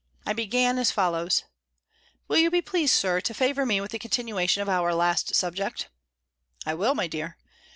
I began as follows: "Will you be pleased, Sir, to favour me with the continuation of our last subject?" "I will, my dear."